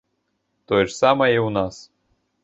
Тое ж самае і ў нас.